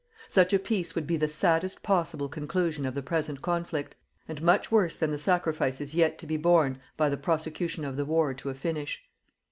Such a peace would be the saddest possible conclusion of the present conflict, and much worse than the sacrifices yet to be borne by the prosecution of the war to a finish.